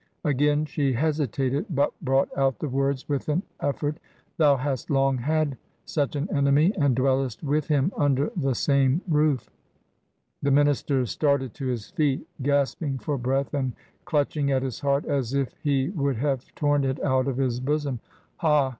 — ^Again she hesitated, but brought out the words with an cflFort. — ^'Thou hast long had such an enemy, and dwellest with him, under the same roof!' The minister started to his feet, gasping for breath, and clutching at his heart, as if he would have torn it out of his bosom. 'Ha!